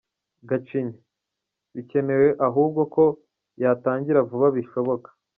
Gacinya: Bikenewe ahubwo ko yatangira vuba bishoboka.